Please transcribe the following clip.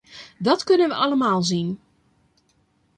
Dat kunnen we allemaal zien.